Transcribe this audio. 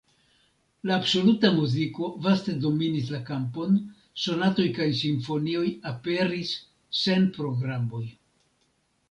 La absoluta muziko vaste dominis la kampon, sonatoj kaj simfonioj aperis sen programoj.